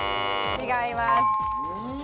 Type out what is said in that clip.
違います。